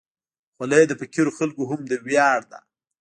خولۍ د فقیرو خلکو هم ویاړ ده.